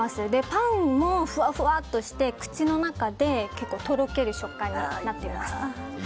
パンもふわふわっとして口の中でとろける食感になっています。